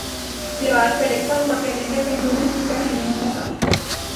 دیوار پر لٹکا ہوا کیلنڈر پنڈولم کی طرح ہلنے لگا